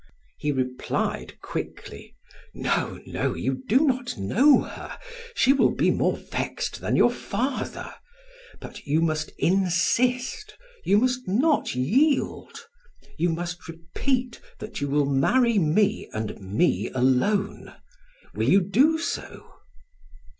He replied quickly: "No, no, you do not know her. She will be more vexed than your father. But you must insist, you must not yield; you must repeat that you will marry me and me alone. Will you do so?"